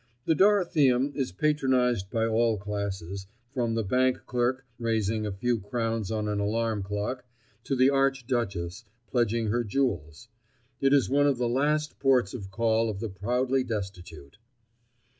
The Dorotheum is patronised by all classes, from the bank clerk, raising a few crowns on an alarm clock, to the archduchess, pledging her jewels. It is one of the last ports of call of the proudly destitute.